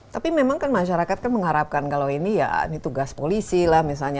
tapi memang kan masyarakat mengharapkan kalau ini tugas polisi lah misalnya